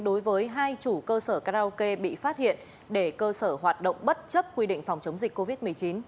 đối với hai chủ cơ sở karaoke bị phát hiện để cơ sở hoạt động bất chấp quy định phòng chống dịch covid một mươi chín